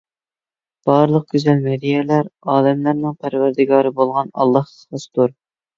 بارلىق گۈزەل مەدھىيەلەر ئالەملەرنىڭ پەرۋەردىگارى بولغان ئاللاھقا خاستۇر.